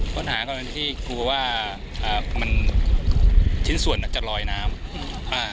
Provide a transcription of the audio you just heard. ค้นหากว่าที่กลัวว่าชิ้นส่วนจะลอยน้ำ